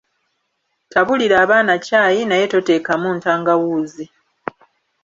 Tabulira abaana ccayi naye toteekamu ntangawuuzi.